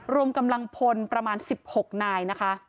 รวมกำลังพลประมาณ๑๖นายนะคะ